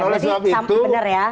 oke jadi sampai benar ya